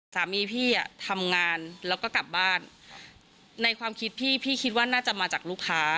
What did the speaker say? สามีพี่อ่ะทำงานแล้วก็กลับบ้านในความคิดพี่พี่คิดว่าน่าจะมาจากลูกค้า